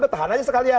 udah tahan aja sekalian